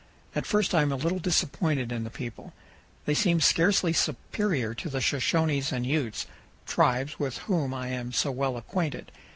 At first I am a little disappointed in the people. They seem scarcely superior to the Shoshones and Utes, tribes with whom I am so well acquainted.